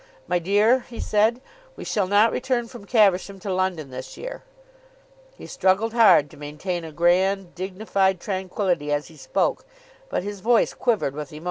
"My dear," he said, "we shall not return from Caversham to London this year." He struggled hard to maintain a grand dignified tranquillity as he spoke, but his voice quivered with emotion.